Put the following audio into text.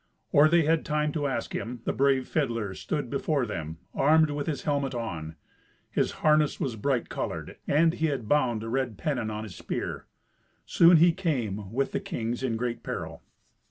Or they had time to ask him, the brave fiddler stood before them, armed, with his helmet on. His harness was bright coloured, and he had bound a red pennon on his spear. Soon he came, with the kings, in great peril.